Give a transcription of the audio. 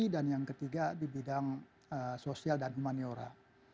dan yang ketiga di bidang sosial dan humaniora